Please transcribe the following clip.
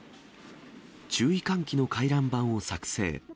注意喚起の回覧板を作成。